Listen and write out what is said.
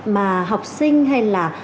mà học sinh hay là